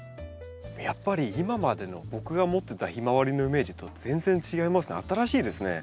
やっぱり今までの僕が持ってたヒマワリのイメージと全然違いますね。